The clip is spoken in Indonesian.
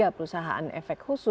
tiga perusahaan efek